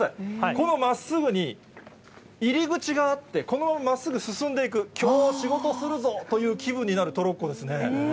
このまっすぐに入り口があって、このまままっすぐ進んでいく、きょうは仕事するぞっていう気分になるトロッコですね。